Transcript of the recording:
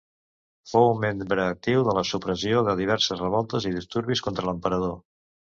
Fou un membre actiu en la supressió de diverses revoltes i disturbis contra l'emperador.